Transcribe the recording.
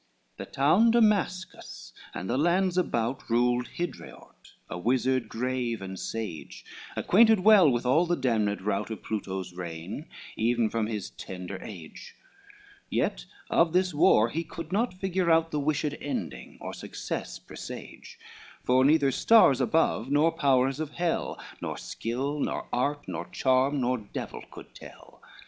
XX The town Damascus and the lands about Ruled Hidraort, a wizard grave and sage, Acquainted well with all the damned rout Of Pluto's reign, even from his tender age; Yet of this war he could not figure out The wished ending, or success presage, For neither stars above, nor powers of hell, Nor skill, nor art, nor charm, nor devil could tell.